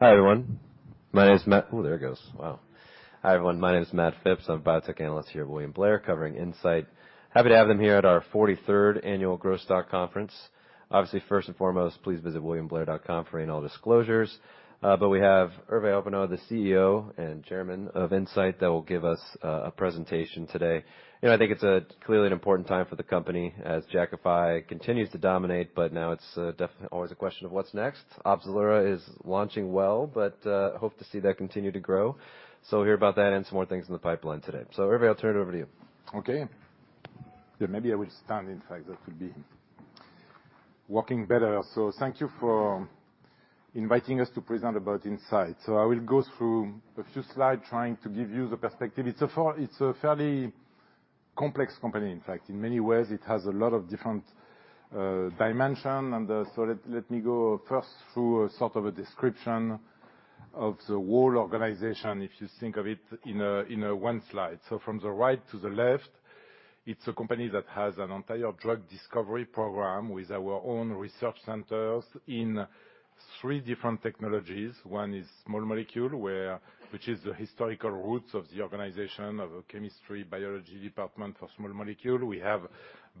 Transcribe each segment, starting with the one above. Hi, everyone. My name is Matt. Ooh, there it goes. Wow! Hi, everyone. My name is Matt Phipps. I'm a biotech analyst here at William Blair, covering Incyte. Happy to have them here at our 43rd annual Growth Stock Conference. First and foremost, please visit williamblair.com for any all disclosures. We have Hervé Hoppenot, the CEO and Chairman of Incyte, that will give us a presentation today. You know, I think it's a clearly an important time for the company as Jakafi continues to dominate now it's always a question of what's next? Opzelura is launching well, hope to see that continue to grow. We'll hear about that and some more things in the pipeline today. Hervé, I'll turn it over to you. Okay. Yeah, maybe I will stand. In fact, that will be working better. Thank you for inviting us to present about Incyte. I will go through a few slides trying to give you the perspective. It's a fairly complex company, in fact. In many ways, it has a lot of different dimension. Let me go first through a sort of a description of the whole organization, if you think of it, in a one slide. From the right to the left, it's a company that has an entire drug discovery program with our own research centers in three different technologies. One is small molecule, which is the historical roots of the organization, of a chemistry, biology department for small molecule. We have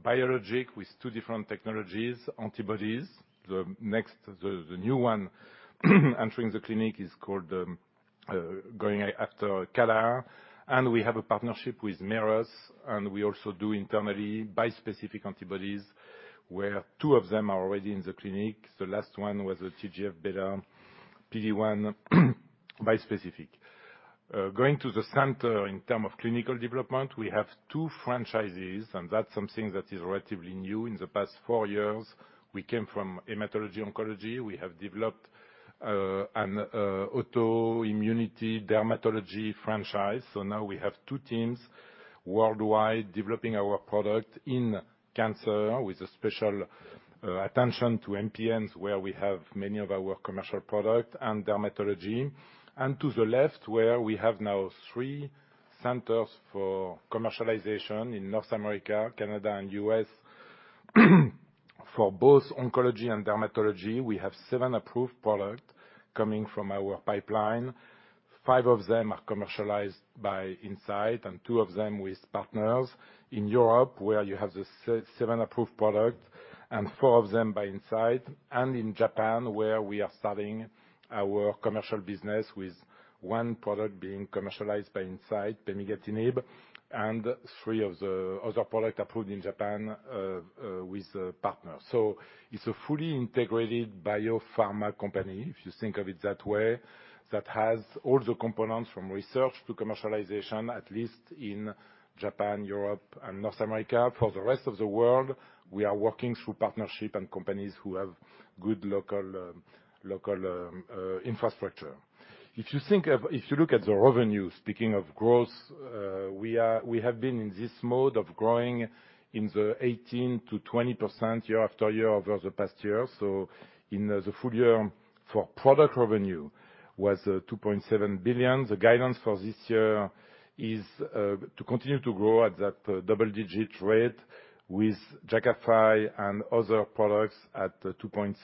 biologic with two different technologies, antibodies. The next, the new one, entering the clinic, is called, going after CALR. We have a partnership with Merus. We also do internally bispecific antibodies, where two of them are already in the clinic. The last one was a TGF-beta PD-1 bispecific. Going to the center in term of clinical development, we have two franchises. That's something that is relatively new. In the past four years, we came from hematology oncology. We have developed an autoimmunity dermatology franchise. Now we have two teams worldwide developing our product in cancer, with a special attention to MPNs, where we have many of our commercial product and dermatology. To the left, where we have now three centers for commercialization in North America, Canada, and U.S. For both oncology and dermatology, we have seven approved product coming from our pipeline. Five of them are commercialized by Incyte, and two of them with partners. In Europe, where you have the sea approved product, and four of them by Incyte, and in Japan, where we are starting our commercial business with one product being commercialized by Incyte, Pemigatinib, and three of the other product approved in Japan, with a partner. It's a fully integrated biopharma company, if you think of it that way, that has all the components from research to commercialization at least in Japan, Europe, and North America. For the rest of the world, we are working through partnership and companies who have good local infrastructure. If you think of... If you look at the revenue, speaking of growth, we have been in this mode of growing in the 18%-20% year-after--year over the past year. In the full year for product revenue was $2.7 billion. The guidance for this year is to continue to grow at that double-digit rate with Jakafi and other products at $2.55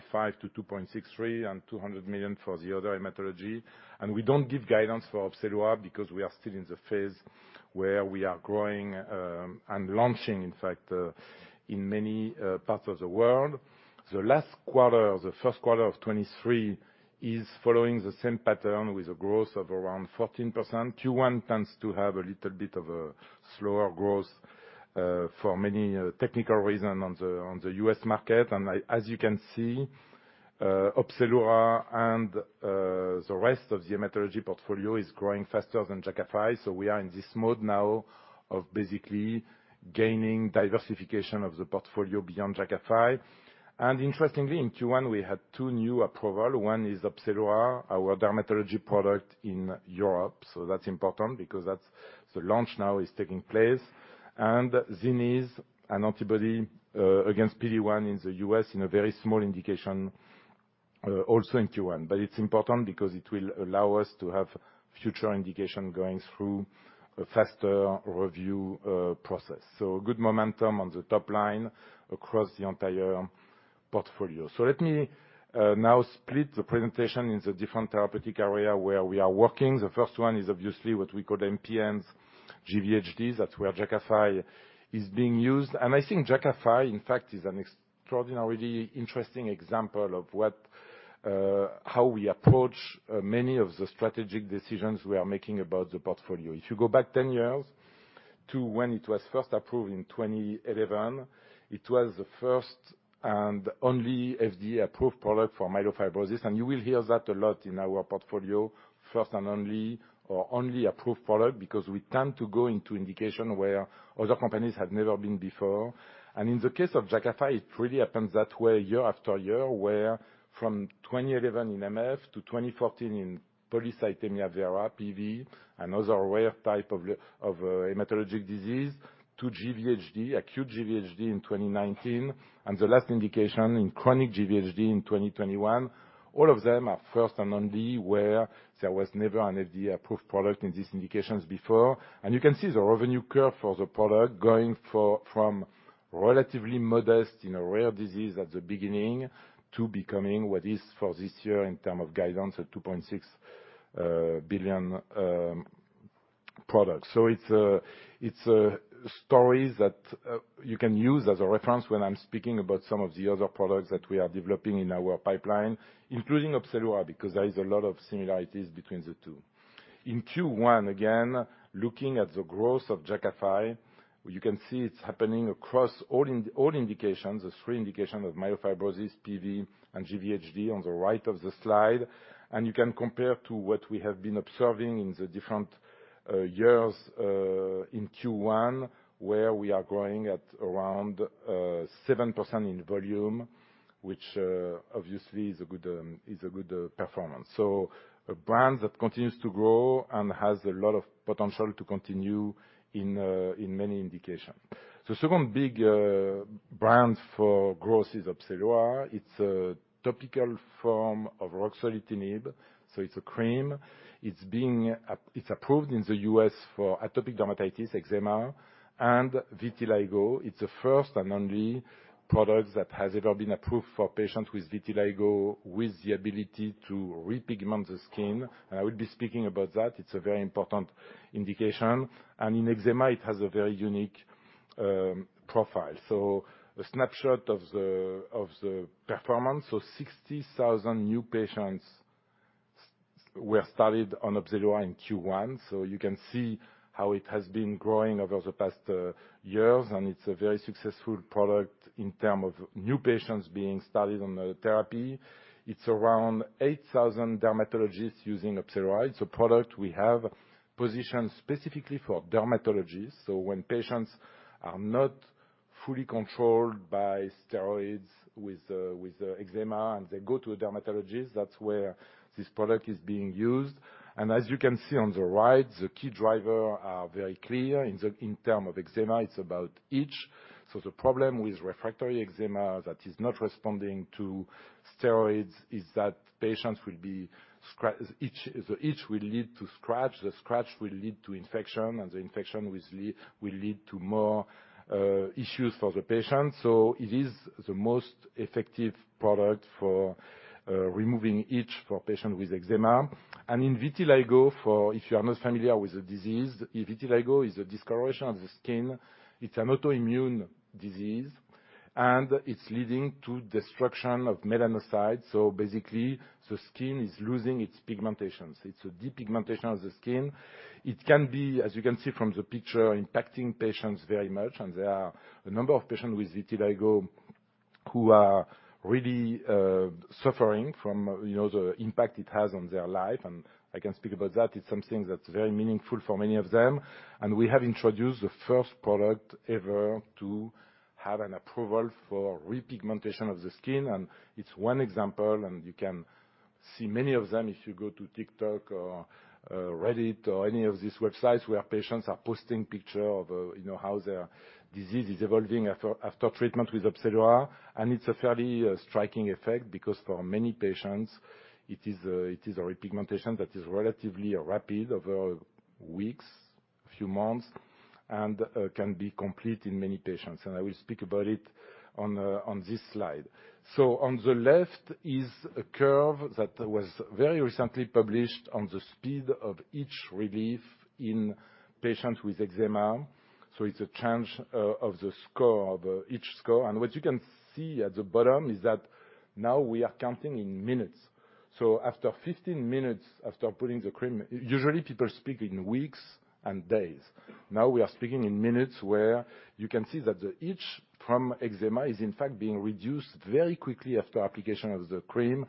billion-$2.63 billion, and $200 million for the other hematology. We don't give guidance for Opzelura because we are still in the phase where we are growing, and launching, in fact, in many parts of the world. The last quarter, or the first quarter of 2023, is following the same pattern with a growth of around 14%. Q1 tends to have a little bit of a slower growth for many technical reason on the U.S. market. As you can see, Opzelura and the rest of the hematology portfolio is growing faster than Jakafi. We are in this mode now of basically gaining diversification of the portfolio beyond Jakafi. Interestingly, in Q1 we had two new approval. One is Opzelura, our dermatology product in Europe, that's important because that's the launch now is taking place. Zynyz, an antibody against PD-1 in the U.S. in a very small indication also in Q1. It's important because it will allow us to have future indication going through a faster review process. Good momentum on the top line across the entire portfolio. Let me now split the presentation in the different therapeutic area where we are working. The first one is obviously what we call MPNs, GVHDs. That's where Jakafi is being used. I think Jakafi, in fact, is an extraordinarily interesting example of what how we approach many of the strategic decisions we are making about the portfolio. If you go back 10 years to when it was first approved in 2011, it was the first and only FDA-approved product for myelofibrosis, and you will hear that a lot in our portfolio, first and only or only approved product, because we tend to go into indication where other companies have never been before. In the case of Jakafi, it really happens that way year after year, where from 2011 in MF to 2014 in polycythemia vera, PV, another rare type of a hematologic disease, to GVHD, acute GVHD, in 2019, and the last indication in chronic GVHD in 2021. All of them are first and only, where there was never an FDA-approved product in these indications before. You can see the revenue curve for the product going for, from relatively modest in a rare disease at the beginning to becoming what is, for this year, in term of guidance, a $2.6 billion product. It's a stories that you can use as a reference when I'm speaking about some of the other products that we are developing in our pipeline, including Opzelura, because there is a lot of similarities between the two. In Q1, again, looking at the growth of Jakafi you can see it's happening across all indications, the three indications of myelofibrosis, PV, and GVHD on the right of the slide. You can compare to what we have been observing in the different years in Q1, where we are growing at around 7% in volume, which obviously is a good performance. A brand that continues to grow and has a lot of potential to continue in many indications. The second big brand for growth is Opzelura. It's a topical form of Ruxolitinib, so it's a cream. It's approved in the US for atopic dermatitis, eczema, and vitiligo. It's the first and only product that has ever been approved for patients with vitiligo, with the ability to repigment the skin. I will be speaking about that. It's a very important indication, in eczema it has a very unique profile. A snapshot of the performance. 60,000 new patients were started on Opzelura in Q1, you can see how it has been growing over the past years, it's a very successful product in term of new patients being started on the therapy. It's around 8,000 dermatologists using Opzelura. It's a product we have positioned specifically for dermatologists. When patients are not fully controlled by steroids with eczema, they go to a dermatologist, that's where this product is being used. As you can see on the right, the key driver are very clear. In the, in term of eczema, it's about itch. The problem with refractory eczema that is not responding to steroids is that patients will be Itch, the itch will lead to scratch, the scratch will lead to infection, and the infection will lead to more issues for the patient. It is the most effective product for removing itch for patient with eczema. In vitiligo, If you are not familiar with the disease, vitiligo is a discoloration of the skin. It's an autoimmune disease, and it's leading to destruction of melanocytes. Basically, the skin is losing its pigmentations. It's a depigmentation of the skin. It can be, as you can see from the picture, impacting patients very much, and there are a number of patients with vitiligo who are really suffering from, you know, the impact it has on their life, and I can speak about that. It's something that's very meaningful for many of them. We have introduced the first product ever to have an approval for repigmentation of the skin, and it's one example, and you can see many of them if you go to TikTok or Reddit or any of these websites where patients are posting picture of, you know, how their disease is evolving after treatment with Opzelura. It's a fairly striking effect because for many patients it is a repigmentation that is relatively rapid, over weeks, a few months, and can be complete in many patients, and I will speak about it on this slide. On the left is a curve that was very recently published on the speed of itch relief in patients with eczema. It's a change of the score, of itch score. What you can see at the bottom is that now we are counting in minutes. After 15 minutes after putting the cream. Usually, people speak in weeks and days. Now we are speaking in minutes, where you can see that the itch from eczema is in fact being reduced very quickly after application of the cream,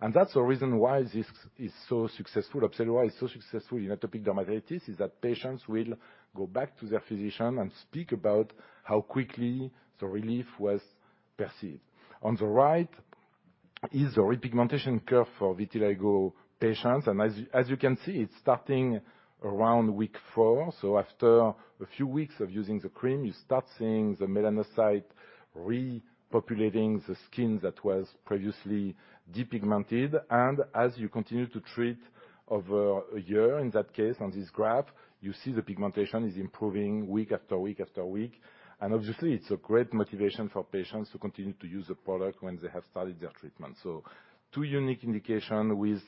and that's the reason why this is so successful. Opzelura is so successful in atopic dermatitis, is that patients will go back to their physician and speak about how quickly the relief was perceived. On the right is a repigmentation curve for vitiligo patients. As you can see, it's starting around week four. After a few weeks of using the cream, you start seeing the melanocytes repopulating the skin that was previously depigmented. As you continue to treat over a year, in that case, on this graph, you see the pigmentation is improving week after week after week. Obviously, it's a great motivation for patients to continue to use the product when they have started their treatment. Two unique indication with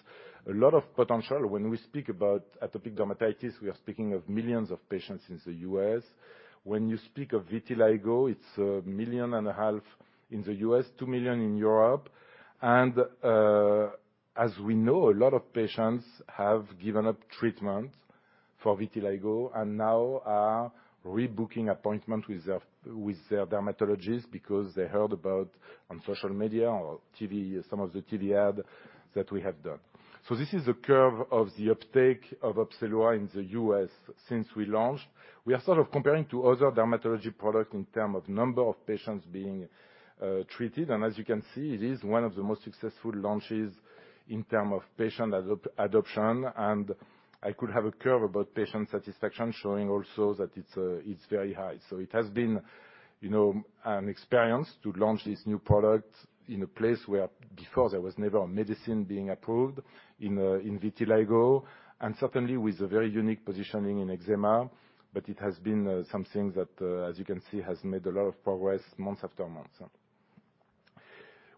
a lot of potential. When we speak about atopic dermatitis, we are speaking of millions of patients in the U.S. When you speak of vitiligo, it's a million and a half in the US, 2 million in Europe. As we know, a lot of patients have given up treatment for vitiligo and now are rebooking appointments with their, with their dermatologist because they heard about on social media or TV, some of the TV ad that we have done. This is the curve of the uptake of Opzelura in the US since we launched. We are sort of comparing to other dermatology product in term of number of patients being treated. As you can see it is one of the most successful launches in term of patient adoption, and I could have a curve about patient satisfaction, showing also that it's very high. It has been, you know an experience to launch this new product in a place where before there was never a medicine being approved in vitiligo, and certainly with a very unique positioning in eczema. But it has been something that, as you can see, has made a lot of progress month after month.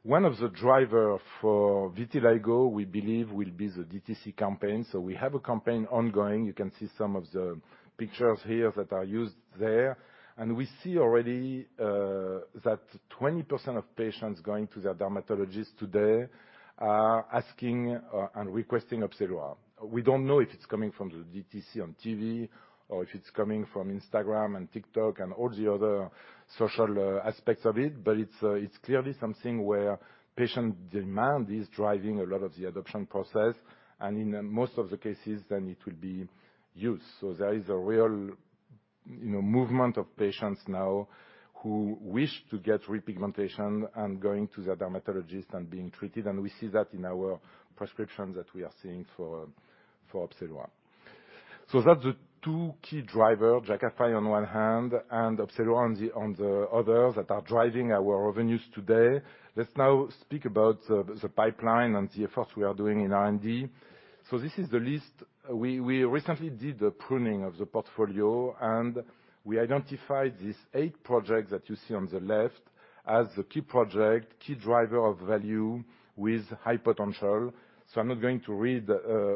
One of the driver for vitiligo, we believe, will be the DTC campaign. We have a campaign ongoing. You can see some of the pictures here that are used there. We see already that 20% of patients going to their dermatologist today are asking and requesting Opzelura. We don't know if it's coming from the DTC on TV or if it's coming from Instagram and TikTok and all the other social aspects of it, but it's clearly something where patient demand is driving a lot of the adoption process, and in most of the cases, then it will be used. There is a real, you know, movement of patients now who wish to get repigmentation and going to the dermatologist and being treated, and we see that in our prescriptions that we are seeing for Opzelura. That's the two key driver, Jakafi on one hand, and Opzelura on the other, that are driving our revenues today. Let's now speak about the pipeline and the efforts we are doing in R&D. This is the list. We recently did a pruning of the portfolio, and we identified these eight projects that you see on the left as the key project, key driver of value with high potential. I'm not going to read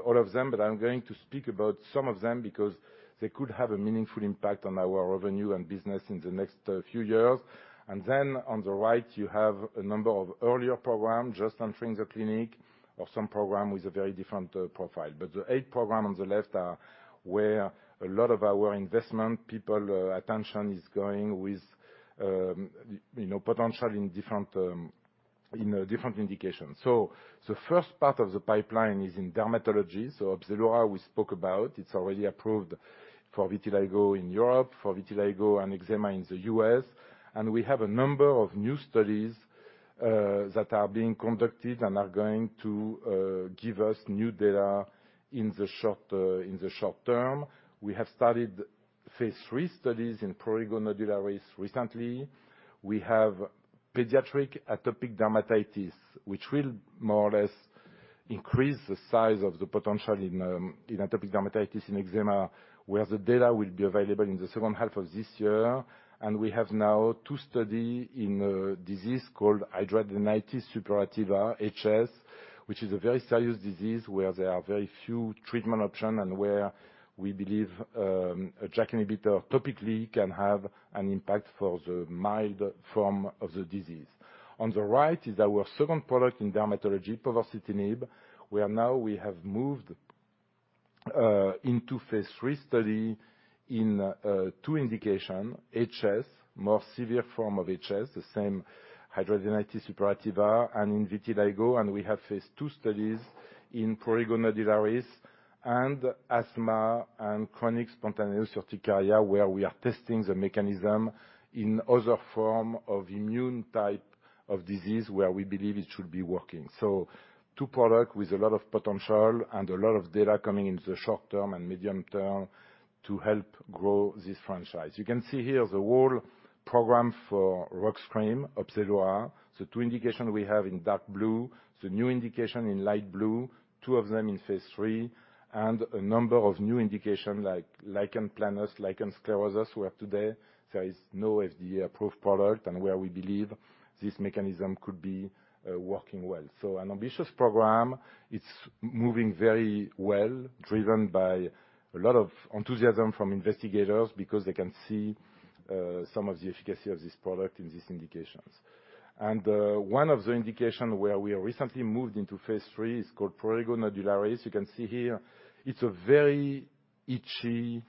all of them but I'm going to speak about some of them because they could have a meaningful impact on our revenue and business in the next few years. On the right, you have a number of earlier program, just entering the clinic, or some program with a very different profile. The eight program on the left are where a lot of our investment, people, attention is going with, you know, potential in different, in different indications. The first part of the pipeline is in dermatology. Opzelura, we spoke about, it's already approved for vitiligo in Europe, for vitiligo and eczema in the U.S., and we have a number of new studies that are being conducted and are going to give us new data in the short, in the short term. We have started phase III studies in Prurigo nodularis recently. We have pediatric atopic dermatitis, which will more or less increase the size of the potential in atopic dermatitis, in eczema, where the data will be available in the second half of this year. We have now two study in a disease called hidradenitis suppurativa, HS, which is a very serious disease, where there are very few treatment option, and where we believe a JAK inhibitor topically can have an impact for the mild form of the disease. On the right is our second product in dermatology, povorcitinib, where now we have moved into phase III study in two indication, HS, more severe form of HS, the same hidradenitis suppurativa, and in vitiligo. We have phase two studies in prurigo nodularis and asthma and chronic spontaneous urticaria, where we are testing the mechanism in other form of immune-type of disease, where we believe it should be working. Two product with a lot of potential and a lot of data coming in the short term and medium term to help grow this franchise. You can see here the whole program for Rux cream, Opzelura. The two indications we have in dark blue, the new indications in light blue, two of them in phase III, a number of new indications like lichen planus, lichen sclerosus, where today there is no FDA-approved product, and where we believe this mechanism could be working well. An ambitious program, it's moving very well driven by a lot of enthusiasm from investigators because they can see some of the efficacy of this product in these indications. One of the indications where we recently moved into phase III is called Prurigo nodularis. You can see here, it's a very itchy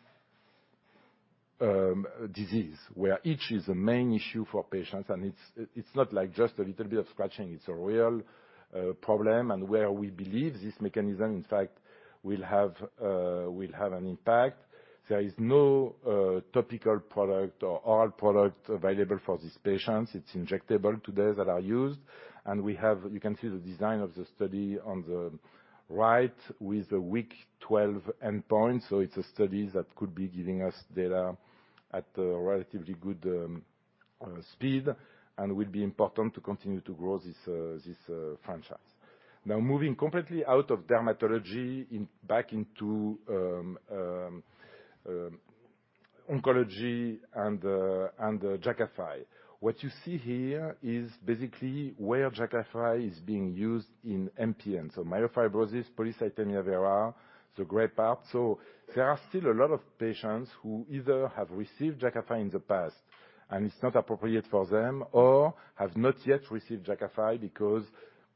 disease, where itch is the main issue for patients, and it's not like just a little bit of scratching, it's a real problem, and where we believe this mechanism, in fact, will have an impact. There is no topical product or oral product available for these patients. It's injectable today that are used. You can see the design of the study on the right with the week 12 endpoint. It's a study that could be giving us data at a relatively good speed and will be important to continue to grow this franchise. Moving completely out of dermatology back into oncology and Jakafi. What you see here is basically where Jakafi is being used in MPN so myelofibrosis, polycythemia vera, the gray part. There are still a lot of patients who either have received Jakafi in the past, and it's not appropriate for them, or have not yet received Jakafi because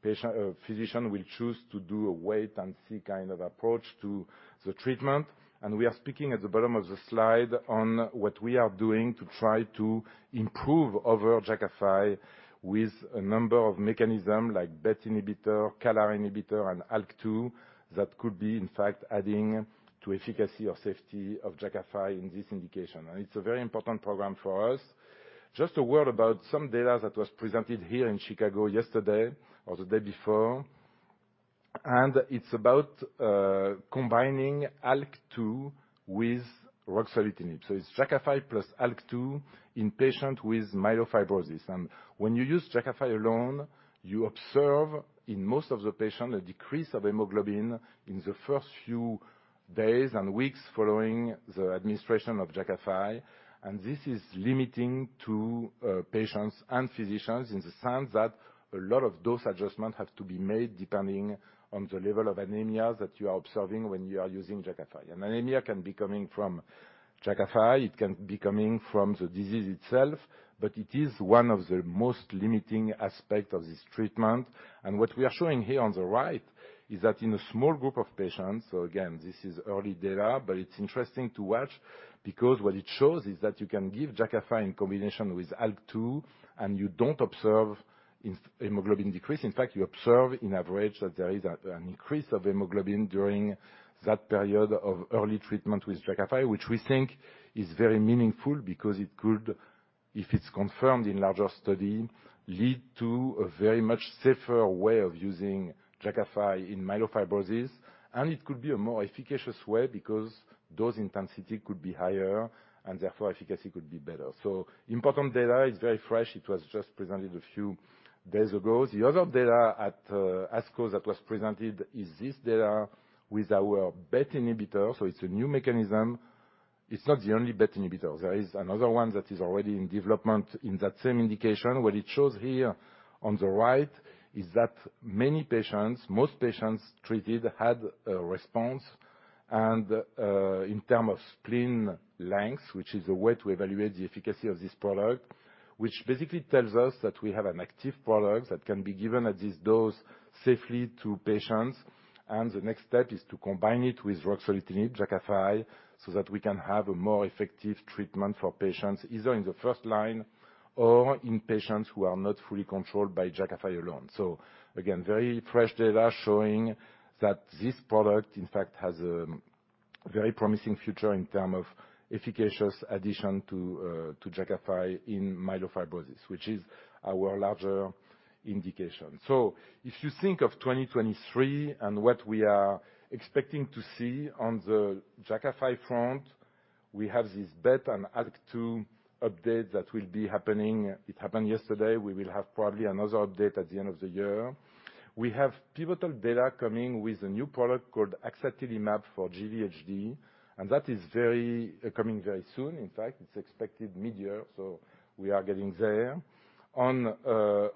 patient physician will choose to do a wait-and-see kind of approach to the treatment. We are speaking at the bottom of the slide on what we are doing to try to improve over Jakafi with a number of mechanism, like BET inhibitor, KRAS inhibitor, and ALK2, that could be, in fact adding to efficacy or safety of Jakafi in this indication. It's a very important program for us. Just a word about some data that was presented here in Chicago yesterday or the day before and it's about combining ALK2 with Ruxolitinib. It's Jakafi plus ALK2 in patient with myelofibrosis. When you use Jakafi alone, you observe, in most of the patient, a decrease of hemoglobin in the first few. days and weeks following the administration of Jakafi, this is limiting to patients and physicians in the sense that a lot of dose adjustment have to be made depending on the level of anemia that you are observing when you are using Jakafi. Anemia can be coming from Jakafi, it can be coming from the disease itself, but it is one of the most limiting aspect of this treatment. What we are showing here on the right, is that in a small group of patients, so again, this is early data, but it's interesting to watch, because what it shows is that you can give Jakafi in combination with ALK2, and you don't observe hemoglobin decrease. In fact, you observe in average, that there is an increase of hemoglobin during that period of early treatment with Jakafi, which we think is very meaningful, because it could, if it's confirmed in larger study, lead to a very much safer way of using Jakafi in myelofibrosis. It could be a more efficacious way because dose intensity could be higher, and therefore, efficacy could be better. Important data, it's very fresh. It was just presented a few days ago. The other data at ASCO that was presented is this data with our BET inhibitor, so it's a new mechanism. It's not the only BET inhibitor. There is another one that is already in development in that same indication. What it shows here on the right is that many patients, most patients treated had a response. In term of spleen length, which is a way to evaluate the efficacy of this product, which basically tells us that we have an active product that can be given at this dose safely to patients, and the next step is to combine it with Ruxolitinib, Jakafi, so that we can have a more effective treatment for patients either in the first line or in patients who are not fully controlled by Jakafi alone. Again, very fresh data showing that this product, in fact, has a very promising future in term of efficacious addition to Jakafi in myelofibrosis, which is our larger indication. If you think of 2023 and what we are expecting to see on the Jakafi front, we have this BET and ALK2 update that will be happening. It happened yesterday, we will have probably another update at the end of the year. We have pivotal data coming with a new product called Axatilimab for GVHD. That is coming very soon. In fact, it's expected mid-year. We are getting there. On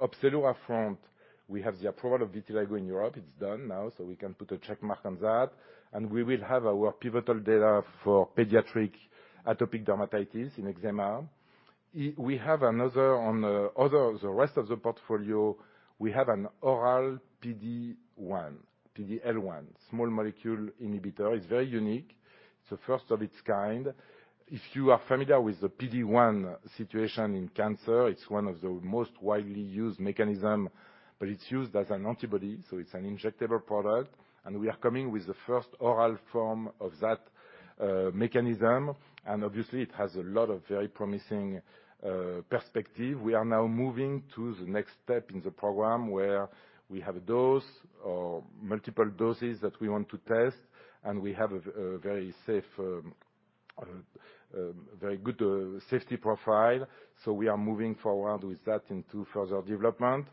Opzelura front, we have the approval of vitiligo in Europe. It's done now. We can put a check mark on that. We will have our pivotal data for pediatric atopic dermatitis in eczema. We have another on other... the rest of the portfolio, we have an oral PD-1, PD-L1, small molecule inhibitor. It's very unique. It's the first of its kind. If you are familiar with the PD-1 situation in cancer it's one of the most widely used mechanism but it's used as an antibody, so it's an injectable product, we are coming with the first oral form of that mechanism. Obviously, it has a lot of very promising perspective. We are now moving to the next step in the program, where we have a dose or multiple doses that we want to test, and we have a very safe, very good safety profile. We are moving forward with that into further development.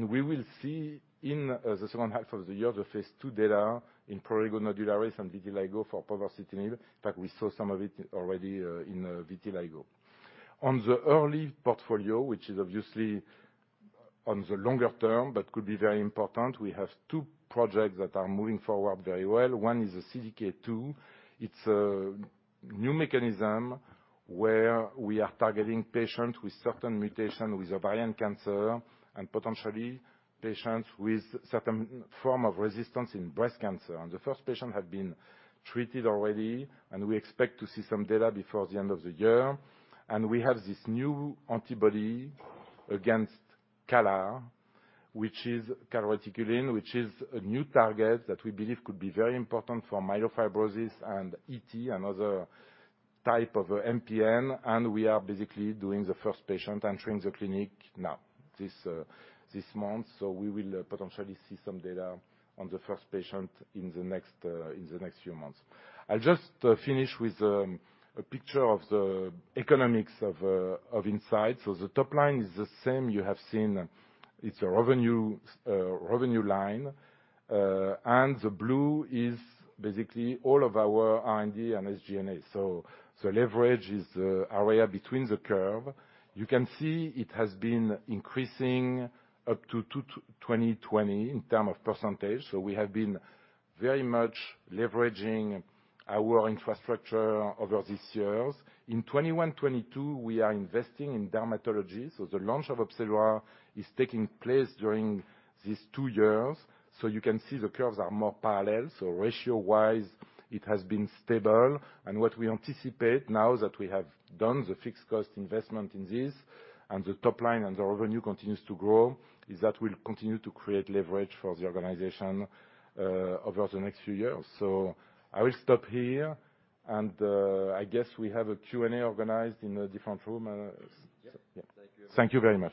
We will see in the second half of the year, the phase II data in Prurigo nodularis and vitiligo for Povorcitinib, we saw some of it already in vitiligo. On the early portfolio which is obviously on the longer term, but could be very important we have two projects that are moving forward very well. One is a CDK2. It's a new mechanism, where we are targeting patients with certain mutation with ovarian cancer and potentially patients with certain form of resistance in breast cancer. The first patient had been treated already, and we expect to see some data before the end of the year. We have this new antibody against CALR which is calreticulin, which is a new target that we believe could be very important for myelofibrosis and ET, another type of MPN and we are basically doing the first patient entering the clinic now, this month. We will potentially see some data on the first patient in the next, in the next few months. I'll just finish with a picture of the economics of Incyte. The top line is the same you have seen. It's a revenue line and the blue is basically all of our R&D and SG&A. Leverage is the area between the curve. You can see it has been increasing up to 2020 in term of %. We have been very much leveraging our infrastructure over these years. In 2021, 2022, we are investing in dermatology, so the launch of Opzelura is taking place during these two years. You can see the curves are more parallel, so ratio-wise, it has been stable. What we anticipate now that we have done the fixed cost investment in this and the top line and the revenue continues to grow, is that we'll continue to create leverage for the organization, over the next few years. I will stop here, and, I guess we have a Q&A organized in a different room. Yep. Thank you very much.